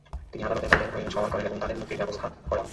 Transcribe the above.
তিনি আদালতে তাদের হয়ে সওয়াল করেন এবং তাদের মুক্তির ব্যবস্থা করেন।